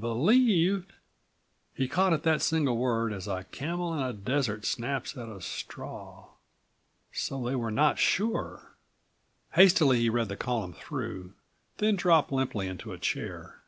"Believed?" He caught at that single word as a camel in a desert snaps at a straw. So they were not sure. Hastily he read the column through, then dropped limply into a chair.